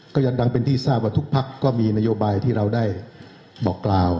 ก็ยังดังเป็นที่ทราบว่าทุกพักก็มีนโยบายที่เราได้บอกกล่าว